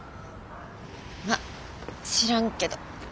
まっ知らんけど。